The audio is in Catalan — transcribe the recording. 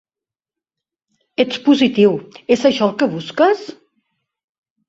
Ets positiu, és això el que busques?